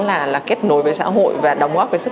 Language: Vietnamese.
là kết nối với xã hội và đóng góp